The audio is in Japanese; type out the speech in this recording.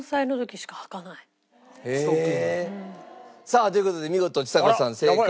さあという事で見事ちさ子さん正解。